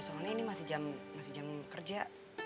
soalnya ini masih jam kerja